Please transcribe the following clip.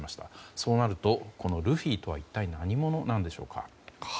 そうなると、このルフィとは一体、何者なんでしょうか。